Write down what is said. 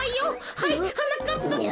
はいはなかっぱくん。